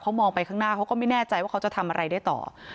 มองไปข้างหน้าเขาก็ไม่แน่ใจว่าเขาจะทำอะไรได้ต่อ